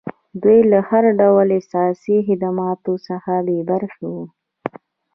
دوی له هر ډول اساسي خدماتو څخه بې برخې وو.